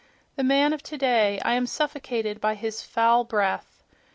The man of today—I am suffocated by his foul breath!...